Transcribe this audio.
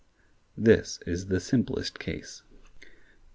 This is the simplest case.